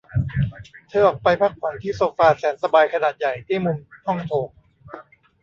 เธอออกไปพ้กผ่อนที่โซฟาแสนสบายขนาดใหญ่ที่มุมห้องโถง